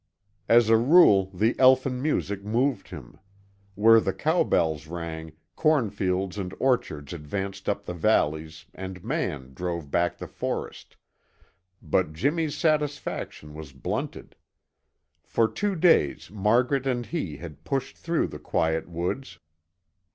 As a rule, the elfin music moved him. Where the cow bells rang, cornfields and orchards advanced up the valleys and man drove back the forest, but Jimmy's satisfaction was blunted. For two days Margaret and he had pushed through the quiet woods.